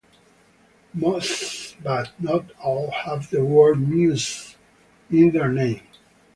Most but not all have the word "mews" in their name.